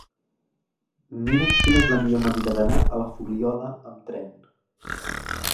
Mira'm quina és la millor manera d'anar a la Fuliola amb tren.